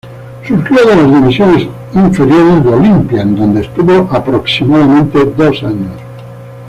Surgió de las divisiones inferiores de Olimpia, en donde estuvo aproximadamente dos años.